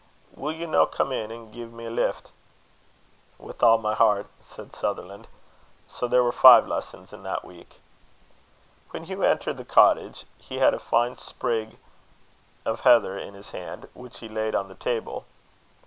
Will you no come in and gie me a lift?" "With all my heart," said Sutherland. So there were five lessons in that week. When Hugh entered the cottage he had a fine sprig of heather in his hand, which he laid on the table.